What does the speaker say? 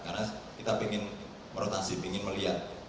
karena kita ingin merotasi ingin melihat